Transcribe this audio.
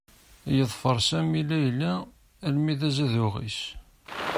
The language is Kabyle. Yeḍfer Sami Layla almi d azaduɣ-is.